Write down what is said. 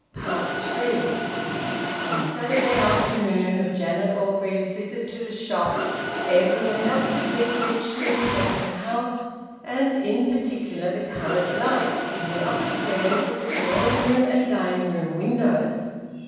THREE. On the Saturday afternoon of Janet Orgreave's visit to the shop, Edwin went up to Bleakridge to inspect the house, and in particular the coloured `lights' in the upper squares of the drawing room and dining room windows.